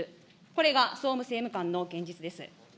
これが総務政務官の現実です。